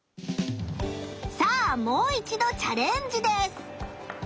さあもう一度チャレンジです！